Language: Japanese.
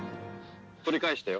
取り返したよ。